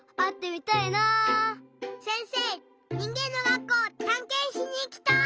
にんげんの学校たんけんしにいきたい！